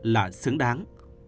là xứng đáng